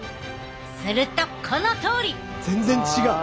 するとこのとおり！全然違う！